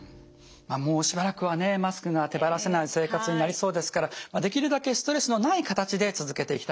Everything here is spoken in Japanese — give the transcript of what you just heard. もうしばらくはねマスクが手放せない生活になりそうですからできるだけストレスのない形で続けていきたいですね。